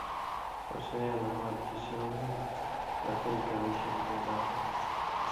خو سَیں علامات چے سېوں ہِن رتَیں کمِیں شک پیدا ہو